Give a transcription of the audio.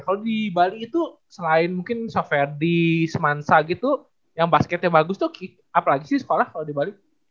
kalau di bali itu selain mungkin software di semansa gitu yang basketnya bagus tuh apalagi sih sekolah kalau di bali